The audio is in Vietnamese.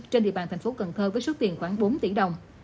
trên địa bàn tp cần thơ với số tiền khoảng bốn tỷ đồng